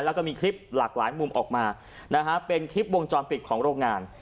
แล้วก็มีคลิปหลากหลายมุมออกมานะฮะเป็นคลิปวงจรปิดของโรงงาน